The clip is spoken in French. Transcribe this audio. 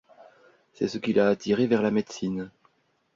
C'est ce qui l'a attiré vers la médecine.